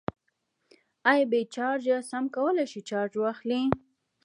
آیا بې چارجه جسم کولی شي چارج واخلي؟